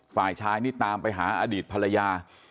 ฝ่ายชายนี่ตามไปหาอดีตภรรยา